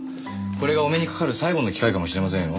これがお目にかかる最後の機会かもしれませんよ。